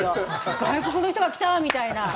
外国の人が来た！みたいな。